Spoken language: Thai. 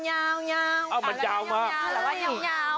อ้าวมันเจ้ามา